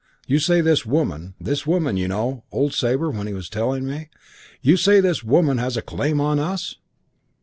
You say this woman ' ('This woman, you know!' old Sabre said when he was telling me.) 'You say this woman has a claim on us?'